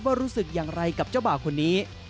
รู้สึกอย่างไรกับเจ้าบ่าวคนนี้